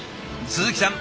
鈴木さん